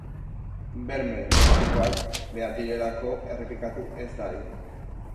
Berme demokratikoak behar direlako errepikatu ez dadin.